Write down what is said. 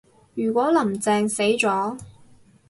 如果林鄭死咗